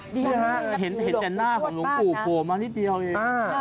หน้าของหลวงกุโขมานิดเดียวเอง